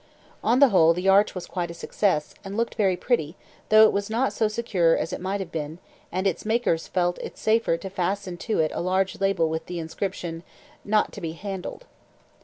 On the whole, the arch was quite a success, and looked very pretty, though it was not so secure as it might have been, and its makers felt it safer to fasten to it a large label with the inscription, "Not to be handled."